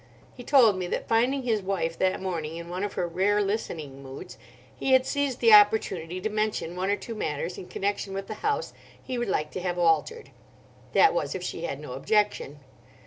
He told me that, finding his wife that morning in one of her rare listening moods, he had seized the opportunity to mention one or two matters in connection with the house he would like to have altered; that was, if she had no objection.